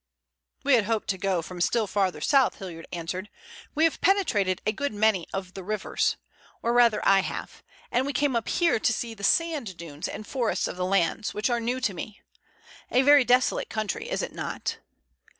"We had hoped to go from still farther south," Hilliard answered. "We have penetrated a good many of the rivers, or rather I have, and we came up here to see the sand dunes and forests of the Landes, which are new to me. A very desolate country, is it not?"